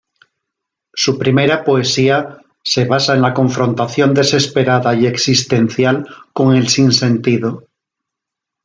Su primera poesía se basa en la confrontación desesperada y existencial con el sinsentido.